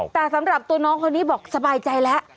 แต่สำหรับตัวน้องคนนี้บอกสบายใจแล้ว